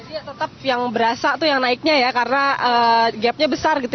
jadi tetap yang berasa tuh yang naiknya ya karena gapnya besar gitu